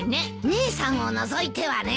姉さんを除いてはね。